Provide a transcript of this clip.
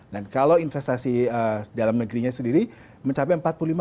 kalau investasi dalam negerinya sendiri mencapai empat puluh lima juta